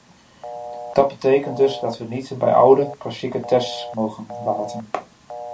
Dat betekent dus dat we het niet bij oude, klassieke tests mogen laten.